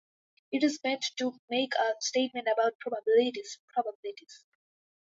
It is meant to make a statement about probabilities.